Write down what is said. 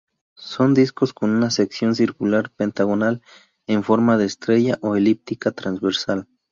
Son discos con una sección circular, pentagonal, en forma de estrella o elíptica transversal.